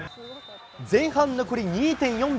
前半残り２．４秒。